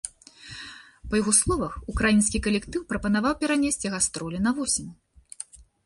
Па яго словах, украінскі калектыў прапанаваў перанесці гастролі на восень.